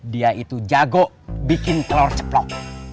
dia itu jago bikin telur ceplok